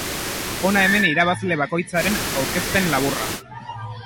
Hona hemen irabazle bakoitzaren aurkezpen laburra.